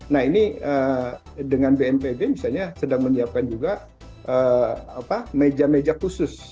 nah ini dengan bnpb misalnya sedang menyiapkan juga meja meja khusus